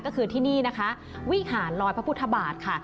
ก็คือที่นี่นะคะวิหารลอยพระพุทธบาทค่ะ